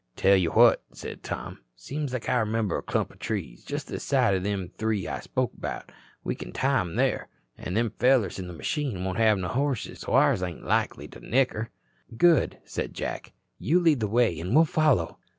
"Tell you what," said Tom, "seems like I remember a clump o' trees just this side o' them three I spoke about. We can tie 'em there. An' them fellers in the machine won't have no horses, so ours ain't likely to nicker." "Good," said Jack. "You lead the way and we'll follow."